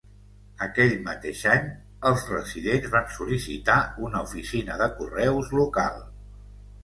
Aquell mateix any, els residents van sol·licitar una oficina de correus local.